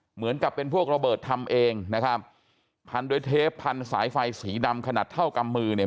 เหมือนกับเป็นพวกระเบิดทำเองนะครับพันด้วยเทปพันสายไฟสีดำขนาดเท่ากำมือเนี่ย